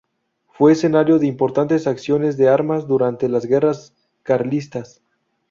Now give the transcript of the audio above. Fue escenario de importantes acciones de armas durante las guerras carlistas.